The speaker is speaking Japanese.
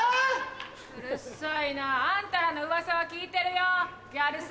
うるさいなあんたらのウワサは聞いてるよ。